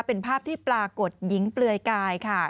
เป็นภาพที่ปรากฏหญิงเปลือยกายค่ะ